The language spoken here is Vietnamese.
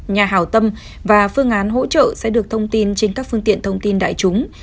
nhà hào tâm và phương án hỗ trợ sẽ được thông tin trên các phương tiện thông tin đại chúng